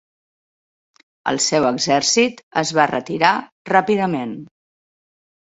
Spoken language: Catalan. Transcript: El seu exèrcit es va retirar ràpidament.